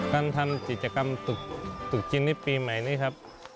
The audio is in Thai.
การทำกิจกรรมตึกจีนในปีใหม่นี้ครับ